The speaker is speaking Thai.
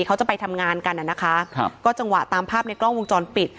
เขาจะไปทำงานกันอ่ะนะคะครับก็จังหวะตามภาพในกล้องวงจรปิด